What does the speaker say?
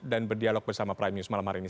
dan berdialog bersama prime news malam hari ini